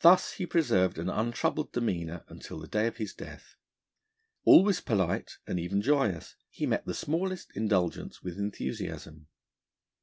Thus he preserved an untroubled demeanour until the day of his death. Always polite, and even joyous, he met the smallest indulgence with enthusiasm.